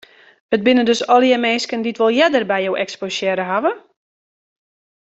It binne dus allegear minsken dy't wol earder by jo eksposearre hawwe?